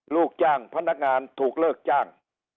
ลูกจ้างพนักงานถูกเลิกจ้าง